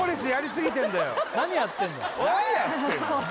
何やってんのおい！